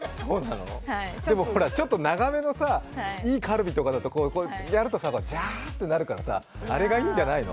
でもちょっと長めのいいカルビだとか、やると、ジャーッてなるからさ、あれがいいんじゃないの？